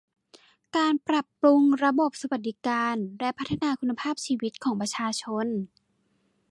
การปรับปรุงระบบสวัสดิการและพัฒนาคุณภาพชีวิตของประชาชน